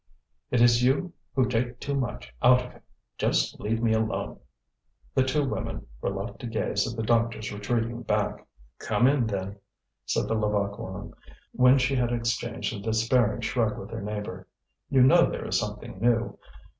"It is you who take too much out of him. Just leave me alone!" The two women were left to gaze at the doctor's retreating back. "Come in, then," said the Levaque woman, when she had exchanged a despairing shrug with her neighbour. "You know, there is something new.